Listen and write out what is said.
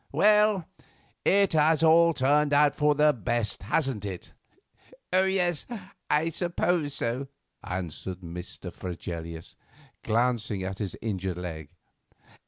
Well, it has all turned out for the best, hasn't it?" "Oh, yes, I suppose so," answered Mr. Fregelius, glancing at his injured leg.